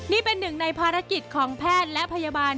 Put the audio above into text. นี่เป็นหนึ่งในภารกิจของแพทย์และพยาบาล